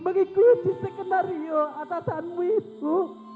mengikuti sekenario atasanmu itu